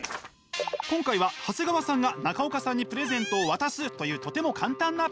今回は長谷川さんが中岡さんにプレゼントを渡すというとても簡単なプラクティス。